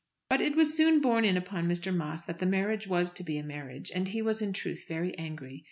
But it was soon borne in upon Mr. Moss that the marriage was to be a marriage, and he was in truth very angry.